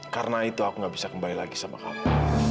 karena itu aku nggak bisa kembali lagi sama kamu